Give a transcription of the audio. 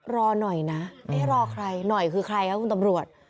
รอหน่อยนะไม่ให้รอใครหน่อยคือใครครับคุณตำรวจ